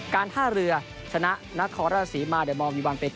การท่าเรือชนะหน้าคอรัฐสีมาเดี๋ยวมองอยู่วันเป็น๙๑